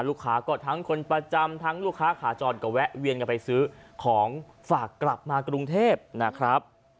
ลูกค้าก็ทั้งคนประจำทั้งลูกค้าขาจรก็แวะเวียนกันไปซื้อของฝากกลับมากรุงเทพนะครับ